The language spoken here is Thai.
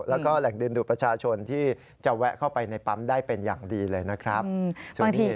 แล้วก็แหล่งดึงดูดประชาชนที่จะแวะเข้าไปในปั๊มได้เป็นอย่างดีเลยนะครับ